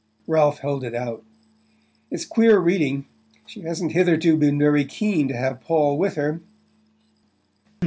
Ralph held it out. "It's queer reading. She hasn't hitherto been very keen to have Paul with her."